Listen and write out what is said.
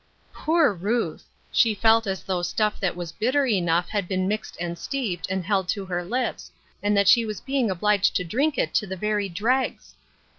Poor Ruth! She felt as though stuff that was bitter enough had been mixed and steeped, and held to her lips, and that she was being obliged to drink it to the very dregs.